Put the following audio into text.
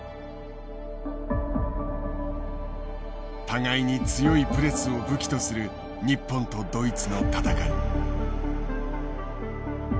互いに強いプレスを武器とする日本とドイツの戦い。